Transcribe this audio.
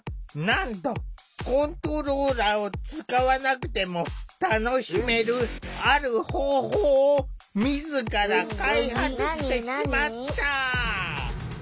なんとコントローラーを使わなくても楽しめるある方法を自ら開発してしまった。